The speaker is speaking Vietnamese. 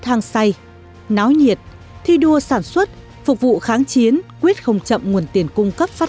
thang say náo nhiệt thi đua sản xuất phục vụ kháng chiến quyết không chậm nguồn tiền cung cấp phát